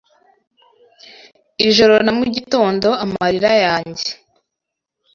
Ijoro na mugitondo amarira yanjye